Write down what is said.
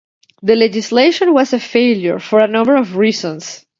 The legislation was a failure for a number of reasons.